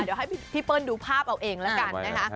เดี๋ยวให้พี่เปิ้ลดูภาพเอาเองแล้วกันนะคะ